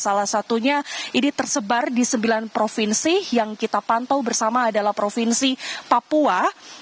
salah satunya ini tersebar di sembilan provinsi yang kita pantau bersama adalah provinsi papua